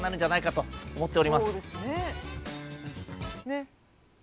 ねっ？